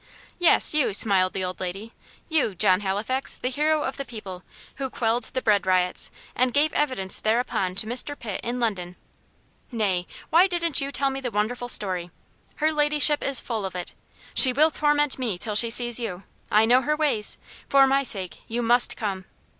"Yes, you," smiled the old lady; "you, John Halifax, the hero of the people, who quelled the bread riots, and gave evidence thereupon to Mr. Pitt, in London. Nay! why didn't you tell me the wonderful story? Her Ladyship is full of it. She will torment me till she sees you I know her ways. For my sake, you MUST come."